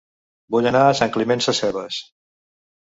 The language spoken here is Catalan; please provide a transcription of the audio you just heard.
Vull anar a Sant Climent Sescebes